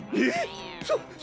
えっ！？